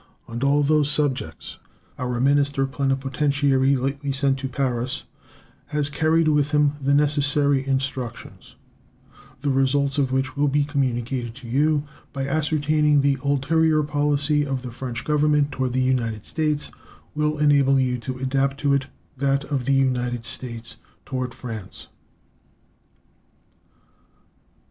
On all those subjects our minister plenipotentiary lately sent to Paris has carried with him the necessary instructions, the result of which will be communicated to you, by ascertaining the ulterior policy of the French Government toward the United States, will enable you to adapt to it that of the United States toward France.